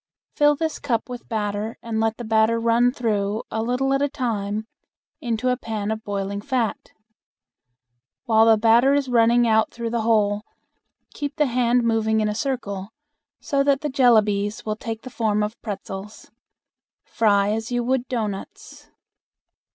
Fill this cup with batter and let the batter run through a little at a time into a pan of boiling fat. While the batter is running out through the hole keep the hand moving in a circle, so that the jellabies will take the form of pretzels. Fry as you would doughnuts.